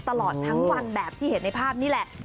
ตลอดทั้งวันแบบที่เห็นในภาพนี่แหละ